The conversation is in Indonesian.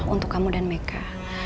untuk kamu dan meka